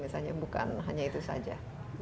misalnya bukan hanya itu saja